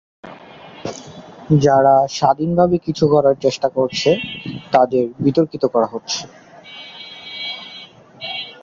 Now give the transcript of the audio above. যারা স্বাধীনভাবে কিছু করার চেষ্টা করছে, তাদের বিতর্কিত করা হচ্ছে।